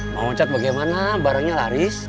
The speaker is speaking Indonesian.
mak wocat bagaimana barangnya laris